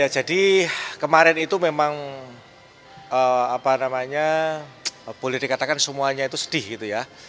jadi kemarin itu memang apa namanya boleh dikatakan semuanya itu sedih gitu ya